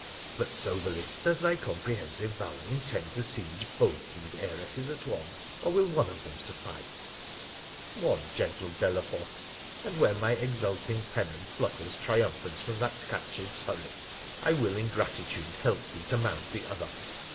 But, soberly, does thy comprehensive valour intend to siege both these heiresses at once, or will one of them suffice ?'' One, gentle Delafosse, and, when my exulting pennon flutters triumphant from that captured turret, I will in gratitude help thee to mount the other.